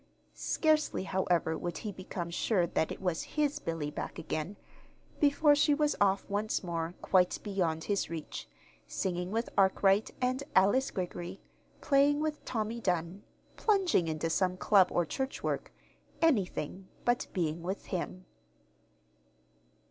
Scarcely, however, would he become sure that it was his Billy back again before she was off once more, quite beyond his reach, singing with Arkwright and Alice Greggory, playing with Tommy Dunn, plunging into some club or church work anything but being with him.